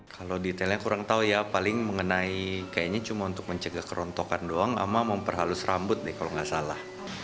kalau detailnya kurang tahu ya paling mengenai kayaknya cuma untuk mencegah kerontokan doang sama memperhalus rambut deh kalau nggak salah